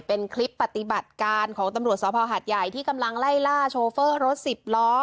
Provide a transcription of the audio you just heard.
เป็นคลิปปฏิบัติการของตำรวจสภหัดใหญ่ที่กำลังไล่ล่าโชเฟอร์รถสิบล้อ